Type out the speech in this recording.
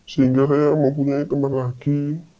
sehingga saya mempunyai teman laki